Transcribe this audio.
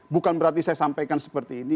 bukan berarti saya sampaikan seperti ini